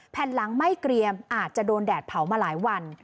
แผ่นหลังไม่เกรียมอาจจะโดนแดดเผามาหลายวัน